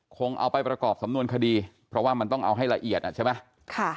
คงเอาไปประกอบสำนวนคดีเพราะว่ามันต้องเอาให้ละเอียดอ่ะใช่ไหม